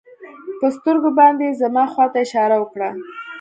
په سترګو باندې يې زما خوا ته اشاره وکړه.